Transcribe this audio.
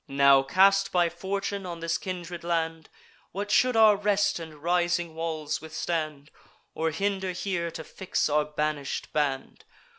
Now cast by fortune on this kindred land, What should our rest and rising walls withstand, Or hinder here to fix our banish'd band?